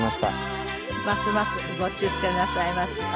ますますご出世なさいますよう。